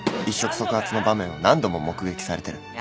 一触即発の場面を何度も目撃されてる。